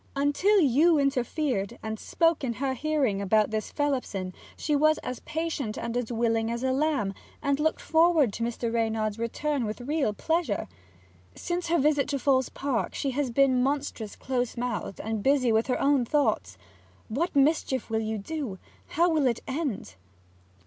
Until you interfered, and spoke in her hearing about this Phelipson, she was as patient and as willing as a lamb, and looked forward to Mr. Reynard's return with real pleasure. Since her visit to Falls Park she has been monstrous close mouthed and busy with her own thoughts. What mischief will you do? How will it end?'